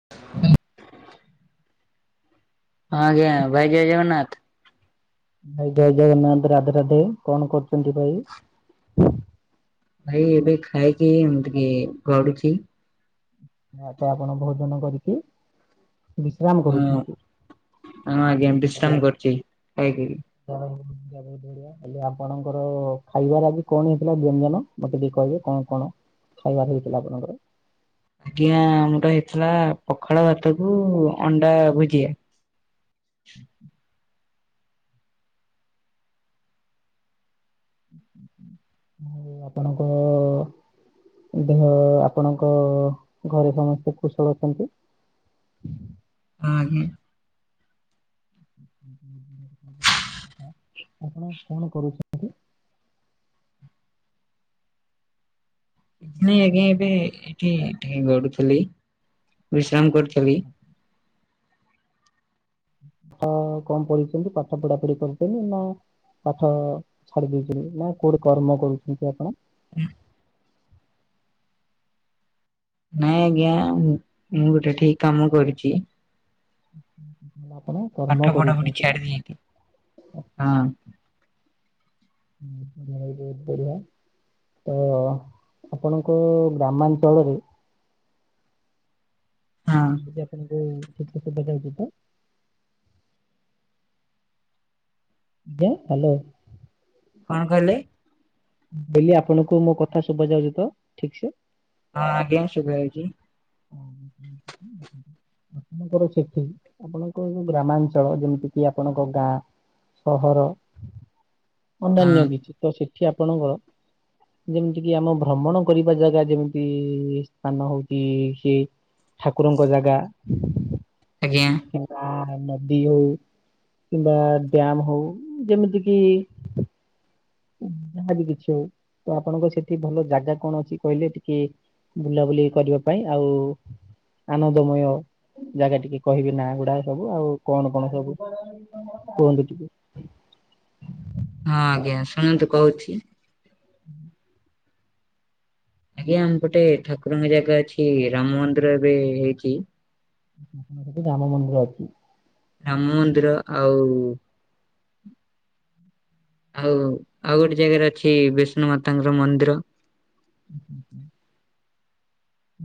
[unintelligible] ହଁ ଆଜ୍ଞା ଭାଇ ଜୟ ଜଗନ୍ନାଥ। ଭାଇ ଜୟ ଜଗନ୍ନାଥ ରାଧେ ରାଧେ କଣ କରୁଛନ୍ତି ଭାଇ। ଭାଇ ଏବେ ଖାଇକି ଏମିତି ଟିକେ ଗଡୁଚି। ଭାତ ଆପଣ ଭୋଜନ କରିକି ବିଶ୍ରାମ ହଁ କରୁଛନ୍ତି। ହଁ ଆଜ୍ଞା ବିଶ୍ରାମ [unintelligible] କରୁଛି ଖାଇକି। ଆଜି ଆପଣଙ୍କର ଖାଇବାରେ ଆଜି କଣ ହେଇଥିଲା ବ୍ୟଞ୍ଜନ ମୋତେ ଟିକେ କହିବେ କଣ କଣ? ଖାଇବାରେ ହେଇଥିଲା ଆପଣଙ୍କର। ଆଜ୍ଞା ଆମର ହେଇଥିଲା ପଖାଳ ଭାତକୁ ଅଣ୍ଡା ଭୁଜିଆ। ଆଉ ଆପଣଙ୍କ ଦେହ ଆପଣଙ୍କ ଘରେ ସମସ୍ତେ କୁଶଳ ଅଛନ୍ତି। ଆଜ୍ଞା। ଆପଣ କଣ କରନ୍ତି? କିଛି ନାଇଁ ଆଜ୍ଞା ଏବେ ଏଠି ଟିକେ ଗଡୁଥିଲି ବିଶ୍ରାମ କରୁଥିଲି। ହଁ କଣ ପଢିଛନ୍ତି ପାଠ ପଢ଼ା ପଢ଼ି କରିଛନ୍ତି ନା। ପାଠ ଛାଡ଼ି ଦେଇଛନ୍ତି ନା କୋଉଠି କର୍ମ କରୁଛନ୍ତି ଆପଣ? ହୁଁ। ନାଇଁ ଆଜ୍ଞା ମୁଁ ମୁଁ ଗୋଟେ ଠିକ୍ କାମ କରିଚି। ମୁଁ କହିଲି ଆପଣ କର୍ମ ପାଠ ପଢ଼ା ପଢ଼ି କରୁଛନ୍ତି। ଛାଡ଼ିଦେଇକି ହଁ। ହୁଁ ବଢ଼ିଆ ହେଇଥିବ ବଢ଼ିଆ। ତ ଆପଣଙ୍କ ଗ୍ରାମାଞ୍ଚଳରେ ହଁ ଦିଦି ଆପଣଙ୍କୁ ଠିକ୍ ସେ ଶୁଣାଯାଉଛି ତ। ଆଜ୍ଞା ହ୍ୟାଲୋ। କଣ କହିଲେ? ମୁଁ କହିଲି ଆପଣଙ୍କୁ ମୋ କଥା ଶୁଭା ଯାଉଚି ତ ଠିକ୍ ସେ। ହଁ ଆଜ୍ଞା ଶୁଭା ଯାଉଚି। [unintelligible] ଆପଣଙ୍କର ସେଠି ଆପଣଙ୍କର ଯୋଉ ଗ୍ରାମାଞ୍ଚଳ ଯେମିତି କିି ଆପଣଙ୍କ ଗାଁ ସହର ହଁ ଅନ୍ୟାନ୍ୟ ବେତୀତ ତ ସେଠି ଆପଣଙ୍କର ଯେମିତି କିି ଆମ ଭ୍ରମଣ କରିବା ଜାଗା ଯେମିତି ସ୍ଥାନ ହଉଚି। କି ଠାକୁରଙ୍କ ଜାଗା। ଆଜ୍ଞା। [unintelligible] ନଦୀ ହଉ କିମ୍ବା ଡାମ୍ ହଉ ଯେମିତି କିି ଯାହା ବି କିଛି ଆଉ ତ ଆପଣଙ୍କ ସେଠି ଭଲ ଜାଗା କଣ ଅଛି କହିଲେ ଟିକେ ବୁଲାବୁଲି କରିବା ପାଇଁ ଆଉ ଆନନ୍ଦମୟ ଜାଗା ଟିକେ କହିବେ ନା ଗୁଡା ସବୁ ଆଉ କଣ କଣ ସବୁ? କୁହନ୍ତୁ ଟିକେ? ହଁ ଆଜ୍ଞା ଶୁଣନ୍ତୁ କହୁଛି। [unintelligible] ଆଜ୍ଞା ଆମ ଗୋଟେ ଠାକୁରଙ୍କ ଜାଗା ଅଛି ରାମ ମନ୍ଦିର ଏବେ ହେଇଛି। ରାମ ମନ୍ଦିର ଅଛି। ରାମ ମନ୍ଦିର ଆଉ ଆଉ ଆଉ ଗୋଟେ ଜାଗାରେ ଅଛି ବିଷ୍ଣୁ ମାତାଙ୍କର ମନ୍ଦିର।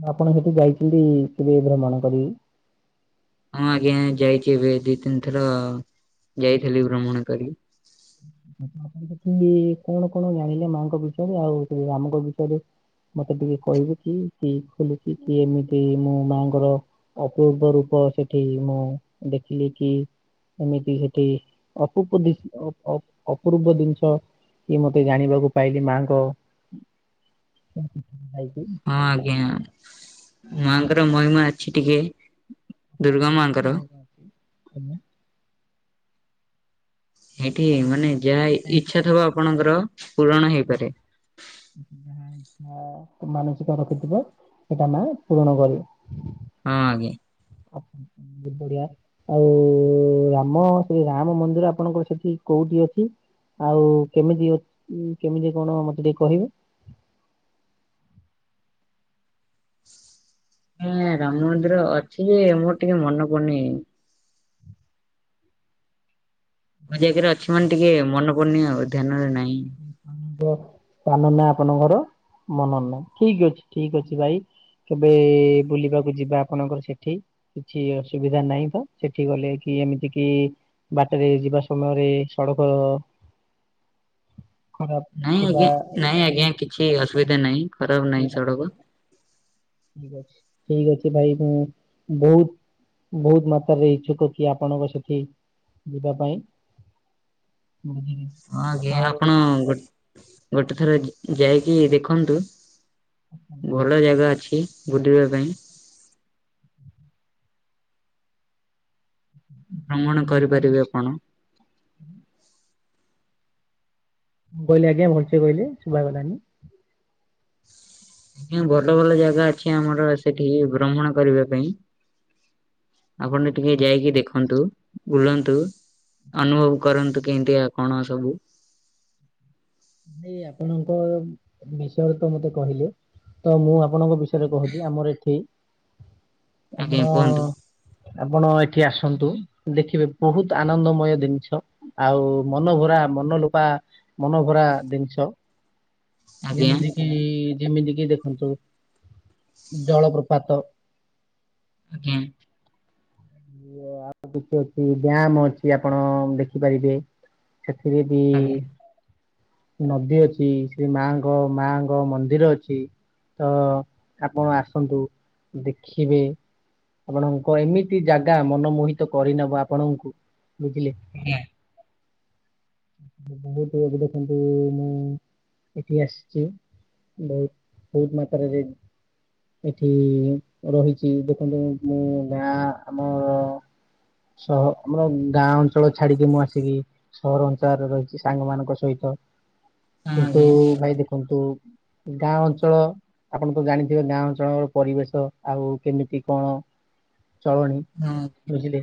ମୁଁ ଆପଣ ସେଠି ଯାଇଥିଲି [unintelligible] ଭ୍ରମଣ କରିବି? ହଁ ଆଜ୍ଞା ଯାଇଛି ଏବେ ଦି ତିନି ଥର ଯାଇଥିଲି ଭ୍ରମଣ କରି। ପ କି କଣ କଣ ଜାଣିଲେ ମାଙ୍କ ବିଷୟରେ ଆଉ ସେ ରାମଙ୍କ ବିଷୟରେ? ମତେ ଟିକେ କହିବୁ କି କିଏ ଖୋଲୁଛି କି ଏମିତି ମୋ ମାଆଙ୍କର? ଅପୂର୍ବ ରୂପ ସେଠି ମୁଁ ଦେଖିଲି କି ଏମିତି ସେଠି ଅପଦ [unintelligible] ଅପୂର୍ବ ଜିନିଷ କି ମତେ ଜାଣିବାକୁ ପାଇଲି ମାଙ୍କ କି [unintelligible] ହଁ ଆଜ୍ଞା ମାଙ୍କର ମହିମା ଅଛି ଟିକେ। ଦୁର୍ଗା ମାଙ୍କର। [unintelligible] ସେଇଠି ମାନେ ଆପଣଙ୍କ ଯାହା ସେଠି ଯାଇକି ଇଚ୍ଛା ଥବ ଆପଣଙ୍କର ପୂରଣ ହେଇପାରେ। ହ [unintelligible] ମାନସିକ ରଖିଥିବ ସେଇଟା ନା ପୂରଣ କରିବେ। ହଁ ଆଜ୍ଞା। ବଢିଆ। ଆଉ ରାମ ସେ ରାମ ମନ୍ଦିର ଆପଣଙ୍କର ସେଠି କୋଉଠି ଅଛି? ଆଉ କେମିତି ଅ କେମିତି କଣ ମତେ ଟିକେ କହିବେ? ହଁ ରାମ ମନ୍ଦିର ଅଛି ଯେ ମୋର ଟିକେ ମନେ ପଡୁନି। ମୋ ଜାଗାରେ ଅଛି ମାନେ ଟିକେ ମନ ପନଣି ଧ୍ୟାନରେ ନାହିଁ। [unintelligible] ସାନ ନାଁ ଆପଣଙ୍କର ମନୋର ନାହିଁ ଠିକ ଅଛି ଠିକ ଅଛି ଭାଇ। କେବେ ବୁଲିବାକୁ ଯିବା ଆପଣଙ୍କର ସେଠି। କିଛି ଅସୁବିଧା ନାହିଁ ତ ସେଠି ଗଲେ କି ଏମିତି କି ବାଟରେ ଯିବା ସମୟରେ ସଡ଼କ ଖରାପ ନାଇଁ ଥିବା ଆଜ୍ଞା ନାଇଁ ଆଜ୍ଞା କିଛି ଅସୁବିଧା ନାହିଁ ଖରାପ ନାହିଁ ଅସୁବିଧା କିଛି ସଡ଼କ। ଠିକ ଅଛି ଠିକ ଅଛି ଭାଇ ମୁଁ ବହୁତ ବହୁତ ମାତ୍ରାରେ ଇଚ୍ଛୁକ କି ଆପଣଙ୍କ ସେଠି ଯିବା ପାଇଁ। ବୁଝିଲି ହଁ ଆଜ୍ଞା ଆଉ ଆପଣ ହଁ ଗୋଟେ ଗୋଟେ ଥର ଯାଇକି ଦେଖନ୍ତୁ ଭଲ ଜାଗା ଅଛି। ବୁଲିବା ପାଇଁ। ଭ୍ରମଣ ଭାଇ କରିପାରିବେ ଆପଣ। ମୁଁ କହିଲେ ଆଜ୍ଞା ଭଲସେ କହିଲେ ଶୁଭାଗଲାନି? ଆଜ୍ଞା ଭଲ ଭଲ ଜାଗା ଅଛି ଆମର ସେଠିକି ଭ୍ରମଣ କରିବା ପାଇଁ। ଆପଣ ଟିକେ ଯାଇକି ଦେଖନ୍ତୁ। ବୁଲନ୍ତୁ ଅନୁଭବ କରନ୍ତୁ କେମିତିଆ କଣ ସବୁ। ଏଇ ଆପଣଙ୍କ ବିଷୟରେ ତ ମତେ କହିଲେ। ତ ମୁଁ ଆପଣଙ୍କ ବିଷୟରେ କହୁଛି ଆମର ଏଠି ଆଜ୍ଞା ଆପଣ କୁହନ୍ତୁ ଆପଣ ଏଠି ଆସନ୍ତୁ ଦେଖିବେ ବହୁତ୍ ଆନନ୍ଦମୟ ଦିନିଷ। ଆଉ ମନଭରା ମନଲୋପା ମନଭରା ଦିନିଷ ଆଜ୍ଞା ଯେମିତି କିି ଯେମିତି କିି ଦେଖନ୍ତୁ ଜଳପ୍ରପାତ। ଆଜ୍ଞା। ଆଉ ତ କିଛି ଅଛି ଡ୍ୟାମ ଅଛି ଆପଣ ଦେଖିପାରିବେ। ସେଥିରେ ବି ଆଜ୍ଞା ନଦୀ ଅଛି ସେ ମାଙ୍କ ମାଙ୍କ ମନ୍ଦିର ଅଛି। ତ ଆପଣ ଆସନ୍ତୁ ଦେଖିବେ। ଆପଣଙ୍କ ଏମିତି ଜାଗା ମନମୋହିତ କରିନବ ଆପଣଙ୍କୁ ବୁଝିଲେ। ଆଜ୍ଞା। [inaudible] ବୋହୁତ୍ ଏବେ ଦେଖନ୍ତୁ ମୁଁ ଏଠି ଆସିଚି। ବହୁତ୍ ବହୁତ୍ ମାତ୍ରାରେ ଏଠି ରହିଚି ଦେଖନ୍ତୁ ମୁଁ ମା ଆମର ସହ ଆମର ଗାଁ ଅଞ୍ଚଳ ଛାଡିକି ମୁଁ ଆସିକି ସହର ଅଞ୍ଚାରେ ରହିଛି ସାଙ୍ଗ ମାନଙ୍କ ସହିତ କିନ୍ତୁ ଆଜ୍ଞା ଭାଇ ଦେଖନ୍ତୁ ଗାଁ ଅଞ୍ଚଳ ଆପଣ ତ ଜାଣିଥିବେ ଗାଁ ଅଞ୍ଚଳର ପରିବେଶ ଆଉ କେମିତି କଣ ଚଳଣି ହଁ ବୁଝିଲେ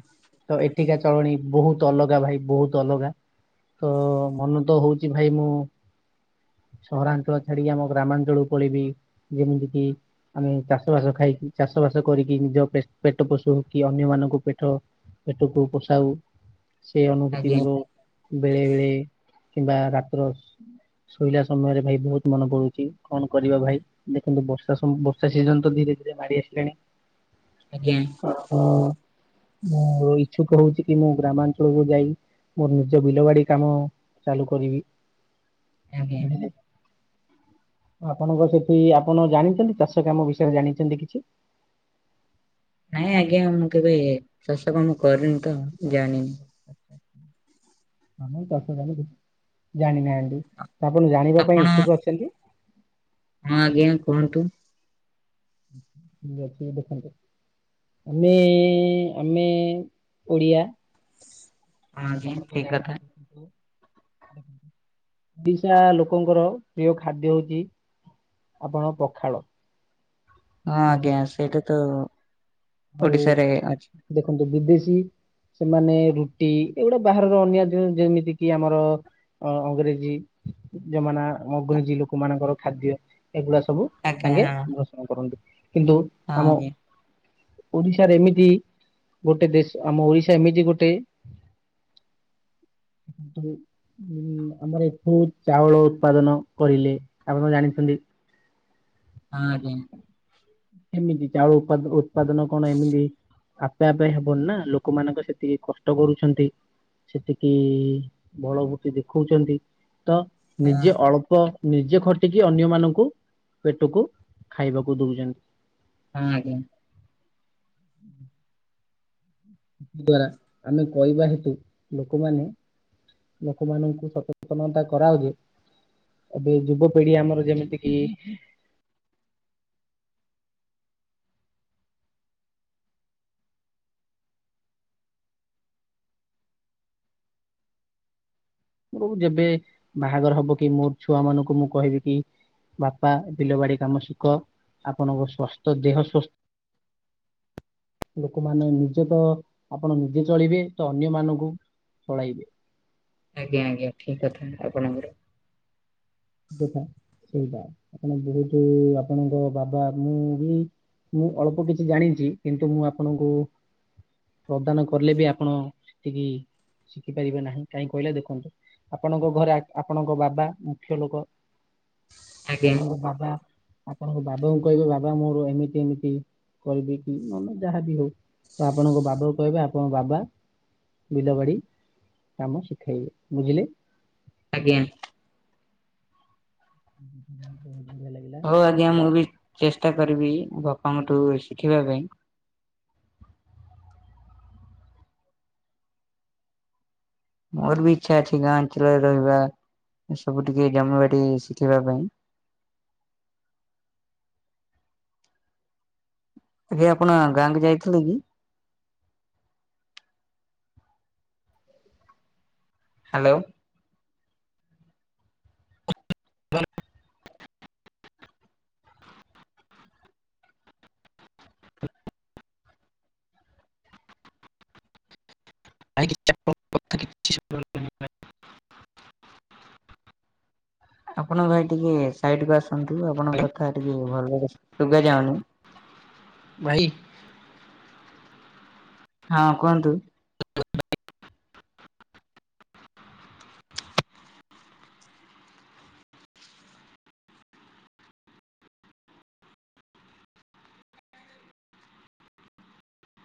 ତ ଏଠିକା ଚଳଣି ବହୁତ ଅଲଗା ଭାଇ ବହୁତ ଅଲଗା। ତ ମନ ତ ହଉଚ ଭାଇ ମୁଁ ସହରାଞ୍ଚଳ ଛାଡିକି ଆମ ଗ୍ରାମାଞ୍ଚଳକୁ ପଳେଇବି ଯେମିତି କି ଆମେ ଚାଷ ବାସ ଖାଇକି ଚାଷ ବାସ କରିକି ନିଜ ପେ ପେ ଟେ ପେଟ ପୋଷୁ କି ଅନ୍ୟ ମନଙ୍କୁ ପେଟ ପେଟକୁ ପୋଷାଉ ସେ ଅନୁଭୂତି ଆଜ୍ଞା ମୋର ବେଳେ ବେଳେ କିମ୍ବା ରାତ୍ର ଜ ଶୋଇଲା ସମୟରେ ଭାଇ ବହୁତ୍ ମନେ ପଡୁଚି କଣ କରିବା ଭାଇ। ଦେଖନ୍ତୁ ବର୍ଷା ସବୁ ବର୍ଷା ସିଜନ ତ ଧୀରେ ଧୀରେ ମାଡି ଆସିଲାଣି। ଆଜ୍ଞା। ଅହ ମୁଁ ଇଚ୍ଛୁକ ହୋଉଚି କି ମୁଁ ଗ୍ରାମାଞ୍ଚଳକୁ ଯାଇ ମୋର ନିଜ ବିଲ ବାଡି କାମ ଚାଲୁ କରିବି ଆଜ୍ଞା। ଆଜ୍ଞା। ବୁଝିଲେ। ଆପଣଙ୍କ ସେଠି ଆପଣ ଜାଣିଚନ୍ତି ଚାଷ କାମ ବିଷୟରେ ଜାଣିଚନ୍ତି କିଛି? ନାଇଁ ଆଜ୍ଞା ମୁଁ କେବେ ଚାଷ କାମ କରିନି ତ ଜାଣିନି। ଆମର ଚାଷ କାମ କିଛି ଜାଣିନାହାନ୍ତି ଆପଣ ଜାଣିବା ପାଇଁ ଆପଣ ଇଚ୍ଛୁକ ଅଛନ୍ତି? ହଁ ଆଜ୍ଞା କୁହନ୍ତୁ? ଯେତିକି ଦେଖନ୍ତି। ଆମେ ଆମେ ଓଡ଼ିଆ। ହଁ ଆଜ୍ଞା ଆପଣ କେଇ ଠିକ କଥା। ଜାଣିଛନ୍ତି। ଓଡିଶା ଲୋକଙ୍କର ପ୍ରିୟ ଖାଦ୍ୟ ହଉଛି। ଆପଣ ଙ୍କ ପଖାଳ। ହଁ ଆଜ୍ଞା ବୁଝିଲେ କି ସେଇଟା ତ ଆଉ ଓଡିଶାରେ ଅଛି। ଦେଖନ୍ତୁ ବିଦେଶୀ। ସେମାନେ ରୁଟି ଏଗୁଡା ବାହାରର ଅନ୍ୟା [unintelligible] ଯେମିତି କିି ଆମର ଅ-ଅଂଗ୍ରେଜୀ ଜମାନା ଅଂଗ୍ରେଜୀ ଲୋକମାନଙ୍କର ଖାଦ୍ୟ ଏଗୁଡା ସବୁ ଆଜ୍ଞା ତାଙ୍କେ ହଁ [inaudible] କରନ୍ତି କିନ୍ତୁ ହଁ ଆମ ଆଜ୍ଞା। ଓଡିଶାରେ ଏମିତି ଗୋଟେ ଦେଶ ଆମ ଓଡିଶା ଏମିତି ଗୋଟେ [inaudible] ଉଁ ଆମର ଏଇଠୁ ଚାଉଳ ଉତ୍ପାଦନ କରିଲେ ଆପଣ ଜାଣିଛନ୍ତି? ହଁ ଆଜ୍ଞା। ଏମିତି ଚାଉଳ ଉପାଦ-ଉତ୍ପାଦନ କଣ ଏମିତି ଆପେ ଆପେ ହେବନି ନା ଲୋକମାନଙ୍କ ସେତିକି କଷ୍ଟ କରୁଛନ୍ତି। ସେତିକି ବଳ ଭୃତି ଦେଖଉଛନ୍ତି। ତ ହଁ ହଁ ଆଜ୍ଞା। ନିଜେ ଅଳ୍ପ ନିଜେ ଖଟିକି ଅନ୍ୟମାନଙ୍କୁ ପେଟକୁ ଖାଇବାକୁ ଦଉଛନ୍ତି। ହଁ ଆଜ୍ଞା। ହୁଁ [inaudible] ଦ୍ଵାରା ଆମେ କହିବା ହେତୁ ଲୋକମାନେ ଲୋକମାନଙ୍କୁ ସଚେତନତା କରାଅ ଯେ ଏବେ ଯୁବପିଢି ଆମର ଯେମିତି କିି ମୋର ଯେବେ ବାହାଘର ହବ କି ମୋର ଛୁଆମାନଙ୍କୁ ମୁଁ କହିବି କି ବାପା ବିଲ ବାଡି କାମ ଶିଖ। ଆପଣଙ୍କ ସ୍ଵାସ୍ଥ ଦେହ ସ୍ବ ଲୋକମାନେ ନିଜେ ତ ଆପଣ ନିଜେ ଚଳିବେ ତ ଅନ୍ୟମାନଙ୍କୁ ଚଳାଇବେ। ଆଜ୍ଞା ଆଜ୍ଞା ଠିକ୍ କଥା ଆପଣଙ୍କର। କଥା ସେଇଟା। ଆପଣ ବହୁତୁ ଆପଣଙ୍କ ବାବା ମୁଁ ବି ମୁଁ ଅଳ୍ପ କିଛି ଜାଣିଛି କିନ୍ତୁ ମୁଁ ଆପଣଙ୍କୁ ପ୍ରଦାନ କଲେ ବି ଆପଣ ସେତିକି ଶିଖି ପାରିବେ ନାହିଁ କାହିଁ କହିଲେ ଦେଖନ୍ତୁ ଆପଣଙ୍କ ଘରେ ଆକ୍-ଆପଣଙ୍କ ବାବା ମୁ ଖ୍ୟ ଲୋକ। ଆଜ୍ଞା ଆପଣଙ୍କ ବାବା ଆପଣଙ୍କ ବାବାଙ୍କୁ କହିବେ ବାବା ମୋର ଏମିତି ଏମିତି କରିବି କି ନହେଲେ ନାଇଁ ଯାହାବି ହଉ ତ ଆପଣଙ୍କ ବାବାକୁ କହିବେ ଆପଣଙ୍କ ବାବା ବିଲବାଡି କାମ ଶିଖେଇବେ। ବୁଝିଲେ? ଆଜ୍ଞା। ହୁଁଁ [inaudible] ହଉ ଆଜ୍ଞା ମୁଁ ବି ଚେଷ୍ଟା କରିବି ବାପାଙ୍କଠୁ ଶିଖିବା ପାଇଁ। ମୋର ବି ଇଚ୍ଛା ଅଛି ଗାଁ ଅଞ୍ଚଳରେ ରହିବା, ସବୁ ଟିକେ ଜମିବାଡ଼ି ଶିଖିବା ପାଇଁ। ଆଜ୍ଞା ଆପଣ ଗାଁକୁ ଯାଇଥିଲେ କି? ହ୍ୟାଲୋ। [inaudible] ଆପଣଙ୍କ କଥା କିଛି [inaudible] ଆପଣ ଭାଇ ଟିକେ ସାଇଟକୁ ଆସନ୍ତୁ। ଆପଣଙ୍କ ଶୁଣାଗଲା। କଥା ଟିକେ ଭଲରେ ଶୁଗା ଯାଉନି। ଭାଇ। ହଁ କୁହନ୍ତୁ। [inaudible]